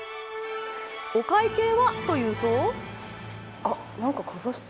お会計は、というと。